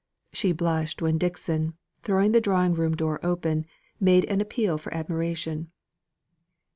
She blushed when Dixon, throwing the drawing room door open, made an appeal for admiration.